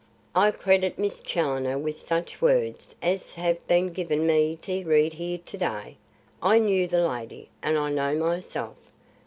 I credit Miss Challoner with such words as have been given me to read here to day? I knew the lady, and I know myself.